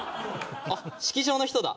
あっ式場の人だ。